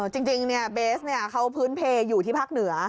จริงจริงเนี่ยเบสเนี่ยเขาพื้นเพลย์อยู่ที่ภาคเหนือ